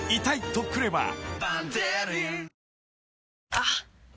あっ！